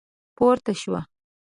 پورته شوه.